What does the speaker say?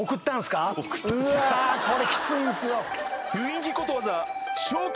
これきついんすよ。